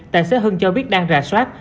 tài xế hưng cho biết đang rà soát